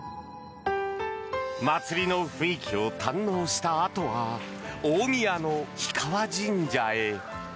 祭りの雰囲気を堪能したあとは大宮の氷川神社へ。